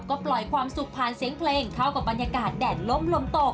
ก็ปล่อยความสุขผ่านเสียงเพลงเข้ากับบรรยากาศแดดล้มลมตก